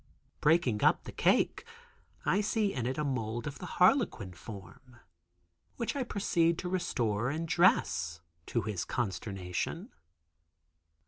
Breaking up the cake, I see in it a mould of the harlequin form, which I proceed to restore and dress, to his consternation.